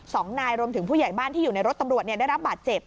สองนายรวมถึงผู้ใหญ่บ้านที่อยู่ในรถตำรวจเนี่ยได้รับบาดเจ็บ